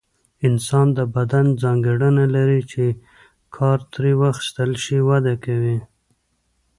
انسان د بدن ځانګړنه لري چې کار ترې واخیستل شي وده کوي.